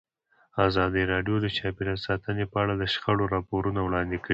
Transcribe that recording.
ازادي راډیو د چاپیریال ساتنه په اړه د شخړو راپورونه وړاندې کړي.